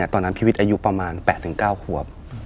ตอนนั้นพี่วิทย์อายุประมาณ๘๙ขวบ